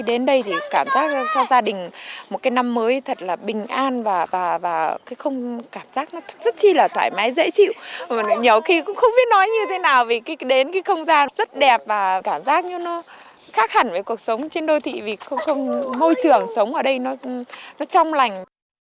để đến cái không gian rất đẹp và cảm giác như nó khác hẳn với cuộc sống trên đôi thị vì không môi trường sống ở đây nó trong lành